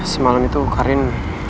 semalam itu karin